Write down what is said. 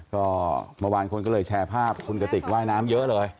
ก็เมื่อวานคนก็เลยแชร์ภาพคุณกติกว่ายน้ำเยอะเลย